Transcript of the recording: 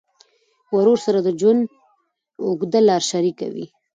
ورور سره د ژوند اوږده لار شریکه وي.